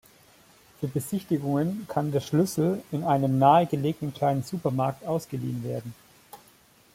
Für Besichtigungen kann der Schlüssel in einem nahe gelegenen kleinen Supermarkt ausgeliehen werden.